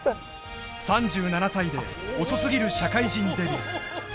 ３７歳で遅すぎる社会人デビュー